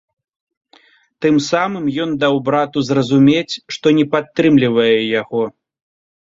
Тым самым ён даў брату зразумець, што не падтрымлівае яго.